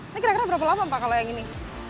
ini kira kira berapa lama pak kalau yang ini